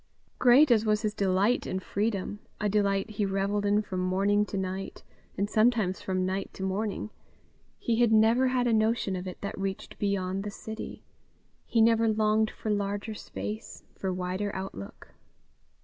Great as was his delight in freedom, a delight he revelled in from morning to night, and sometimes from night to morning, he had never had a notion of it that reached beyond the city, he never longed for larger space, for wider outlook.